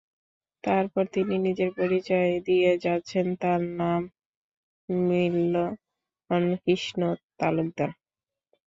তারপর তিনি নিজের পরিচয় দিয়ে যাচ্ছেন, তাঁর নাম মিলন কৃষ্ণ তালুকদার।